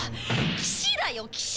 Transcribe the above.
騎士だよ騎士！